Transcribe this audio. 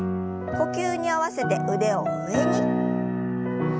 呼吸に合わせて腕を上に。